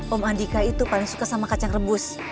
om andika itu paling suka sama kacang rebus